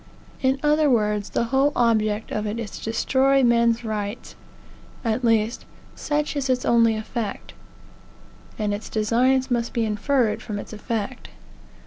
In other words, the whole object of it is to destroy men's rights. At least, such is its only effect; and its designs must be inferred from its effect.